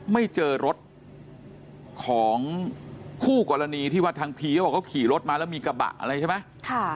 ไม่เจอรถของคู่กรณีที่ว่าทางพีเขาบอกเขาขี่รถมาแล้วมีกระบะอะไรใช่ไหม